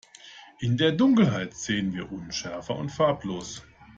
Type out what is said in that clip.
In der Dunkelheit sehen wir unschärfer und farblos.